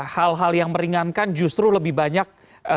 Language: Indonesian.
hal hal yang meringankan justru lebih banyak